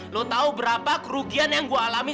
lo tahu berapa kerugian yang gue alami